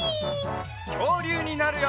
きょうりゅうになるよ！